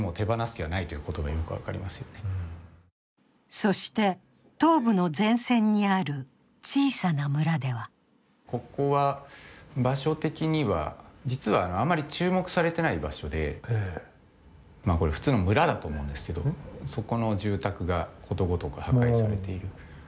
そして東部の前線にある小さな村ではここは場所的には実はあまり注目されていない場所でこれ、普通の村だと思うんですけどそこの住宅がことごとく破壊されている。